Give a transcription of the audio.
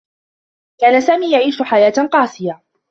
كان سامي يعيش حياة قاسية.